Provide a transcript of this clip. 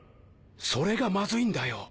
それがまずいんだよ。